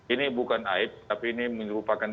ini bukan aib tapi ini merupakan